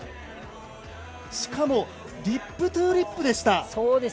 しかも、リップトゥリップでした。